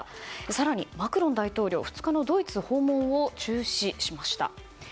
更にマクロン大統領が２日のドイツの訪問を中止しました。